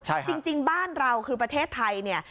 จริงบ้านเราคือประเทศไทย